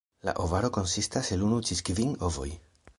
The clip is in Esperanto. La ovaro konsistas el unu ĝis kvin ovoj.